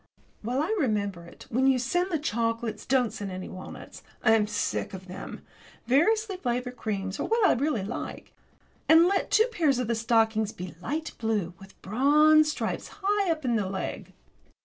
While I remember it, when you send the chocolates don't send any walnuts. I am sick of them. Variously flavoured creams are what I really like. And let two pairs of the stockings be light blue, with bronze stripes high up the leg.